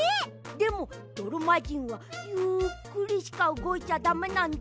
でもどろまじんはゆっくりしかうごいちゃだめなんだ。